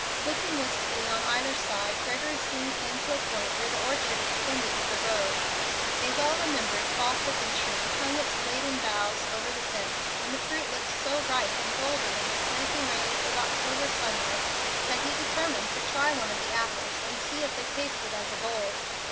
Looking wistfully on either side, Gregory soon came to a point where the orchard extended to the road. A well remembered fall pippin tree hung its laden boughs over the fence, and the fruit looked so ripe and golden in the slanting rays of October sunlight that he determined to try one of the apples and see if it tasted as of old.